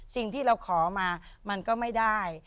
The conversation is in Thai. สิ่งที่เราขอมามันก็ไม่ได้